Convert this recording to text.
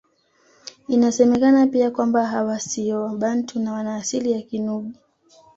Inasemekana pia kwamba hawa siyo Wabantu na wana asili ya Kinubi